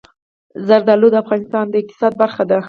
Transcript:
زردالو د افغانستان د اقتصاد برخه ده.